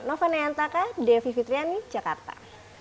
nova neantaka devi fitriani jakarta